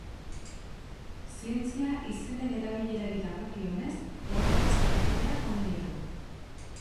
Zientzia izenen erabilerari dagokionez, ohar batzuk egitea komeni da.